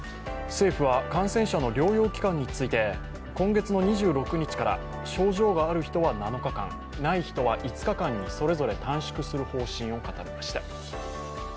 政府は感染者の療養期間について今月の２６日から症状がある人は７日間、ない人は５日間にそれぞれ短縮する方針を固めました。